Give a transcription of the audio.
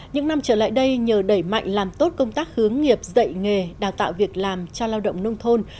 những năm trở lại đây nhờ đẩy mạnh làm tốt công tác hướng nghiệp dạy nghề đào tạo việc làm cho lao động nông thôn